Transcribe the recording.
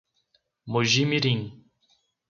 Mogi Mirim